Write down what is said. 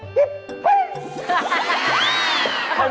จิ๊บปล้า